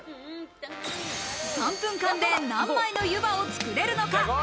３分間で何枚のゆばを作れるのか？